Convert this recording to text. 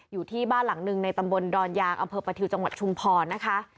อยู่ที่บ้านหลังหนึ่งในตำบลดอนยางอำเภอประทิวจังหวัดชุมพรนะคะ